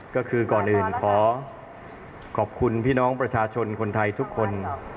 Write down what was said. ก็คือก่อนอื่นขอขอบคุณพี่น้องประชาชนคนไทยทุกคน